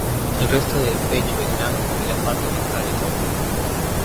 El resto del pecho es blanco y la parte ventral es ocre.